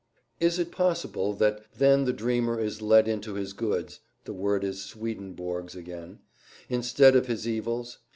Is it possible that then the dreamer is let into his goods (the word is Swedenborg's again) instead of his evils?